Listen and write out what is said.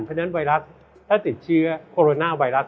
เพราะฉะนั้นไวรัสถ้าติดเชื้อโคโรนาไวรัส